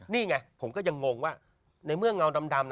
นี่ไงผมก็ยังงงว่าในเมื่อเงาดำ